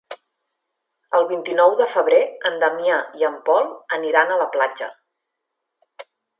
El vint-i-nou de febrer en Damià i en Pol aniran a la platja.